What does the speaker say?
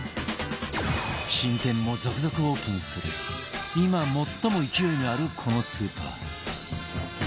新店も続々オープンする今最も勢いのあるこのスーパー